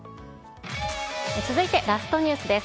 続いてラストニュースです。